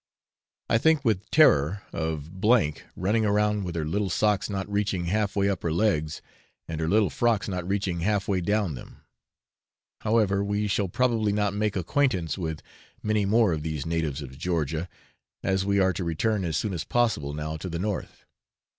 I think with terror of S running about with her little socks not reaching half way up her legs, and her little frocks not reaching half way down them. However, we shall probably not make acquaintance with many more of these natives of Georgia, as we are to return as soon as possible now to the north.